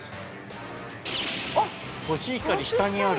「コシヒカリ下にある」。